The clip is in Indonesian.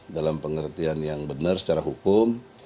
dalam pengertian yang benar secara hukum